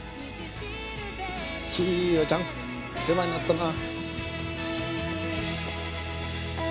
ちよちゃん世話になったな。